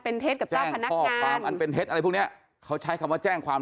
พี่อุ๋ยอบถามทนายใช่ไหม